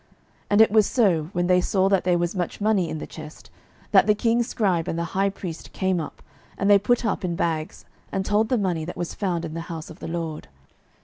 12:012:010 And it was so, when they saw that there was much money in the chest, that the king's scribe and the high priest came up, and they put up in bags, and told the money that was found in the house of the LORD.